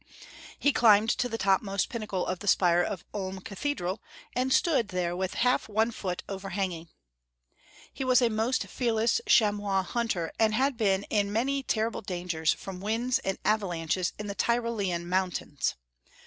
He climbed to the topmost pinnacle of the spire of Ulm Cathe dral, and stood there with half one foot overhanging. He was a most fearless chamois hunter, and had been in many terrible dangers from winds and 254 Young Folks* History of Germany. avalanches in the Tyrolean mountains.